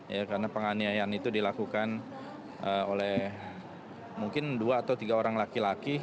ya karena penganiayaan itu dilakukan oleh mungkin dua atau tiga orang laki laki